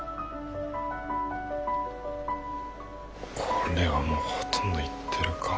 これはもうほとんど言ってるか。